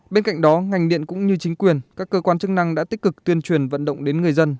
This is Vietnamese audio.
bên cạnh đó ngành điện cũng như chính quyền các cơ quan chức năng đã tích cực tuyên truyền vận động đến người dân